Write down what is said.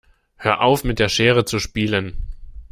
Hör auf mit der Schere zu spielen.